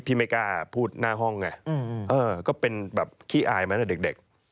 พี่ไหม้ก้าพูดหน้าห้องไงก็เป็นแบบขี้อายมากเด็ก